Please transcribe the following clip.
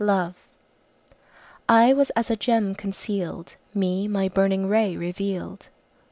LOVE "I was as a gem concealed; Me my burning ray revealed."